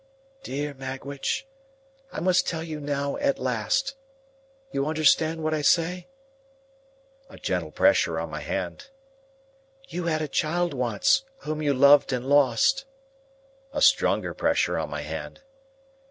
"Dear Magwitch, I must tell you now, at last. You understand what I say?" A gentle pressure on my hand. "You had a child once, whom you loved and lost." A stronger pressure on my hand.